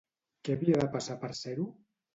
Què havia de passar per ser-ho?